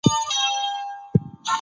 ماتې د زده کړې برخه ده.